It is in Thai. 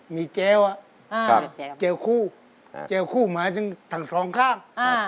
มีเจลอะเจลคู่เจลคู่หมายถึงทั้ง๒ข้าง